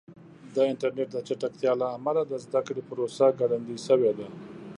د انټرنیټ د چټکتیا له امله د زده کړې پروسه ګړندۍ شوې ده.